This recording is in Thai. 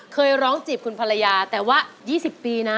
เคยร้องจีบคุณภรรยาแต่ว่า๒๐ปีนะ